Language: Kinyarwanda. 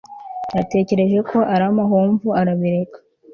yatekereje ko ari amahomvu arabireka